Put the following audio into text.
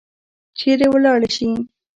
چیرې ولاړي شي؟